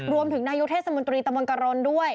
รวมถึงนายกเทศมนตรีตะมนตกรนด้วย